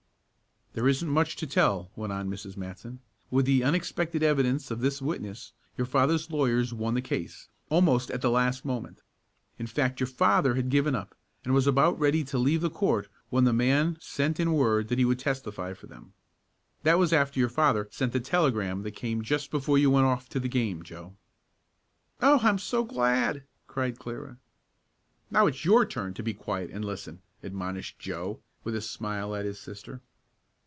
"There isn't much to tell," went on Mrs. Matson. "With the unexpected evidence of this witness your father's lawyer won the case, almost at the last moment. In fact your father had given up, and was about ready to leave the court when the man sent in word that he would testify for them. That was after your father sent the telegram that came just before you went off to the game, Joe." "Oh, I'm so glad!" cried Clara. "Now it's your turn to be quiet and listen," admonished Joe, with a smile at his sister.